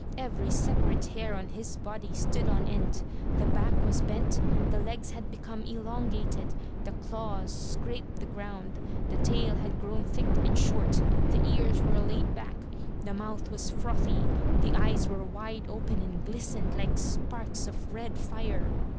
Every separate hair on his body stood on end. The back was bent; the legs had become elongated; the claws scraped the ground; the tail had grown thick and short; the ears were laid back; the mouth was frothy; the eyes were wide open and gUstened like sparks of red fire.